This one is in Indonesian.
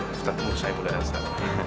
ustaz tengku saya bukan ustaz